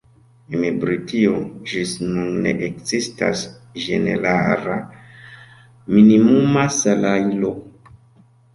En Britio ĝis nun ne ekzistas ĝenerala minimuma salajro.